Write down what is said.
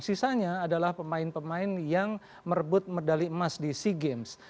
sisanya adalah pemain pemain yang merebut medali emas di sea games